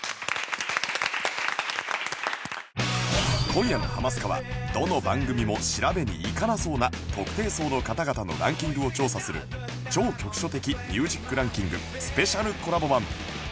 今夜の『ハマスカ』はどの番組も調べに行かなそうな特定層の方々のランキングを調査する超局所的ミュージックランキングスペシャルコラボ版